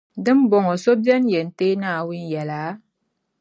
Di nibɔŋɔ, so beni n-yɛn teei Naawuni yɛla?